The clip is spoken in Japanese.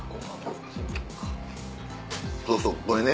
そうそうこれね。